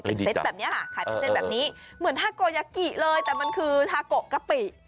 ไม่ดีจักแบบนี้ค่ะขายเป็นเส้นแบบนี้เหมือนทาโกยักกี้เลยแต่มันคือทาโก้กะปิ